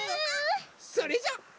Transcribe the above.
それじゃあ。